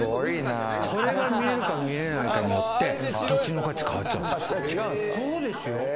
これが見えるか見えないかによって土地の価値変わっちゃうんです。